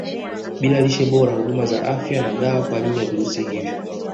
Bila lishe bora huduma za afya na dawa kwa ajili ya virusi hivo